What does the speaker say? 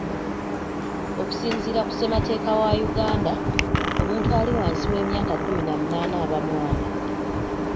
Okusinziira ku ssemateeka wa Uganda, omuntu ali wansi w'emyaka kkumi n'amunaana aba mwana.